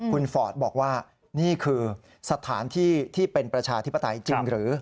คุณฟอร์ดบอกว่านี่คือสถานที่ที่เป็นประชาธิปไตยจริงหรือ